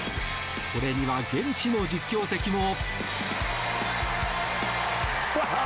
これには現地の実況席も。